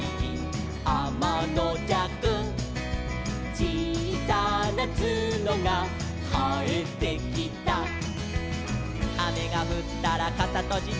「ちいさなツノがはえてきた」「あめがふったらかさとじて」